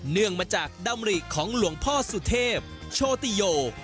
เนื่องมาจากดำริของหลวงพ่อสุเทพโชติโย